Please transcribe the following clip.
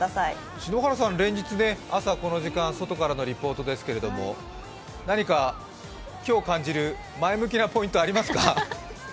篠原さん、連日、朝、この時間、外からのリポートですけど何か今日感じる前向きなポイントありますか？